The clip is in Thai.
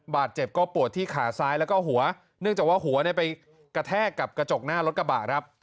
บาดเจ็บก็ปวดที่ขาซ้ายแล้วก็หัวเนื่องจากว่าหัวไปกระแทกกับกระจกหน้ารถกระบะครับ